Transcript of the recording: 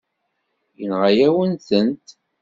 Yenɣa-yawen-tent.